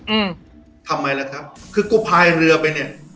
อืมทำไมล่ะครับคือกูพายเรือไปเนี้ย